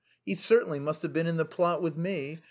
He certainly must have been in the plot with me!